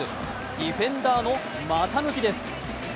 ディフェンダーの股抜きです。